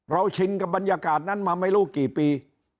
ชินกับบรรยากาศนั้นมาไม่รู้กี่ปี